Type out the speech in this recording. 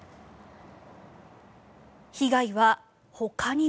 被害はほかにも。